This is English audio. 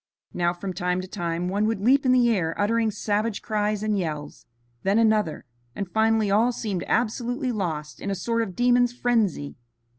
Now, from time to time, one would leap in the air uttering savage cries and yells, then another, and finally all seemed absolutely lost in a sort of demon's frenzy.